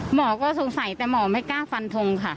หมอก็สงสัยแต่หมอไม่กล้าฟันทงค่ะ